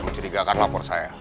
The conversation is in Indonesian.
kamu bawa dia ke rumah kurung dia